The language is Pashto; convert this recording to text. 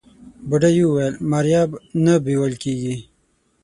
بوډۍ وويل ماريا به نه بيول کيږي.